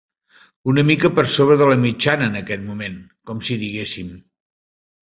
Una mica per sobre de la mitjana en aquest moment, com si diguéssim.